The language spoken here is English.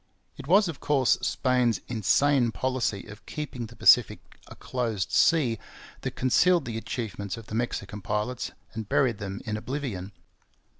It was, of course, Spain's insane policy of keeping the Pacific 'a closed sea' that concealed the achievements of the Mexican pilots and buried them in oblivion.